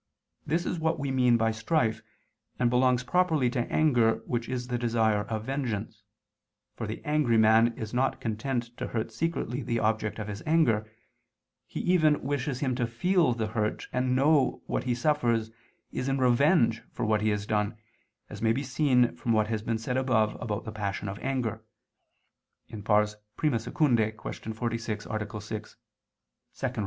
This is what we mean by strife, and belongs properly to anger which is the desire of vengeance: for the angry man is not content to hurt secretly the object of his anger, he even wishes him to feel the hurt and know that what he suffers is in revenge for what he has done, as may be seen from what has been said above about the passion of anger (I II, Q. 46, A. 6, ad 2).